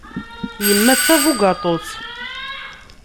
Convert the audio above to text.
Yemma d tabugaṭut.